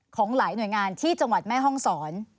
ของหลายหน่วยงานที่จังหวัดแม่ห้องศร